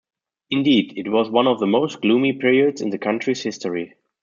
Indeed, it was one of the most gloomy periods in the country's history.